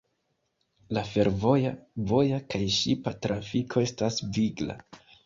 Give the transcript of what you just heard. La fervoja, voja kaj ŝipa trafiko estas vigla.